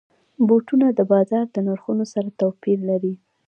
بوټونه د بازار د نرخونو سره توپیر لري.